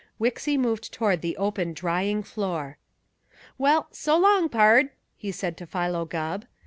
Wixy moved toward the open drying floor. "Well, so 'long, pard," he said to Philo Gubb.